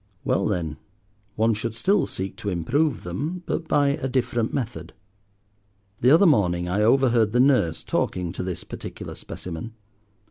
well then, one should still seek to improve them, but by a different method. The other morning I overheard the nurse talking to this particular specimen.